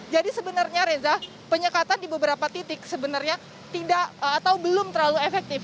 jadi sebenarnya reza penyekatan di beberapa titik sebenarnya tidak atau belum terlalu efektif